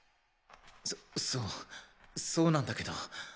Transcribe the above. そそうそうなんだけど。